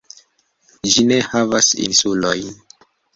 Ĝi ne havas insulojn.